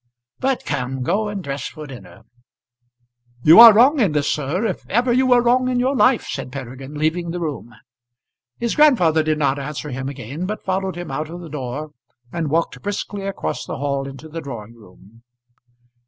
But, come, go and dress for dinner." "You are wrong in this, sir, if ever you were wrong in your life," said Peregrine, leaving the room. His grandfather did not answer him again, but followed him out of the door, and walked briskly across the hall into the drawing room.